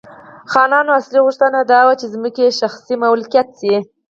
خانانو اصلي غوښتنه دا وه چې ځمکې یې شخصي ملکیت شي.